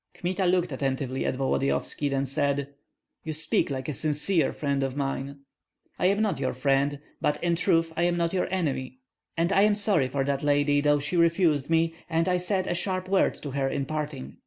Kmita looked attentively at Volodyovski; then said, "You speak like a sincere friend of mine." "I am not your friend, but in truth I am not your enemy; and I am sorry for that lady, though she refused me and I said a sharp word to her in parting.